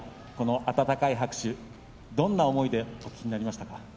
この温かい拍手どんな思いでお聞きになりますか。